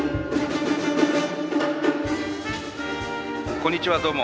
こんにちはどうも。